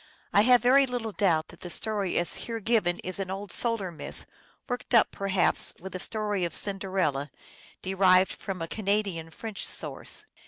I have very little doubt that the story as here given is an old solar myth, worked up, perhaps, with the story of Cinderella, derived from a Canadian French source.